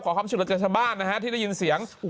ขอคำฉุนละเจมส์ชะบานนะฮะที่ได้ยินเสียงอ๋อ